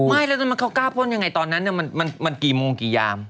ไม่แล้วมันเขาก้าวป้นยังไงตอนนั้นเนี่ยมันกี่โมงกี่ยาม